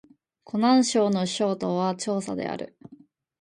湖南省の省都は長沙である